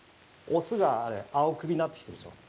オスが青首になってきてるでしょう。